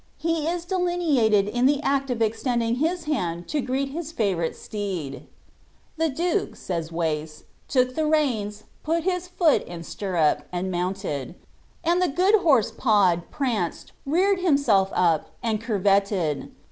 He is delineated in the act of extending his hand to greet his favourite steed. " The duke," says Wace, " took the reins, put foot in stirrup, and mounted ; and the good horse pawed, pranced, reared himself up, and curveted."